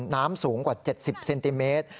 น้ำสูงกว่า๗๐เซนติเมตร